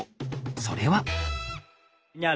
それは。